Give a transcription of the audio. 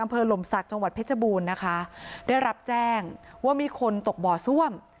หล่มศักดิ์จังหวัดเพชรบูรณ์นะคะได้รับแจ้งว่ามีคนตกบ่อซ่วม